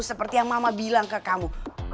seperti yang mama bilang ke kamu